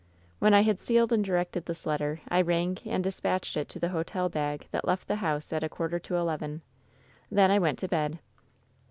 "When I had sealed and directed this letter I rang and dispatched it to the hotel bag that left the house ait a quarter to eleven. "Then I went to bed.